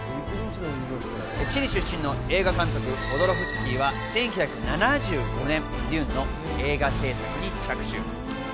チリ出身の映画監督ホドロフスキーは１９７５年『ＤＵＮＥ』の映画製作に着手。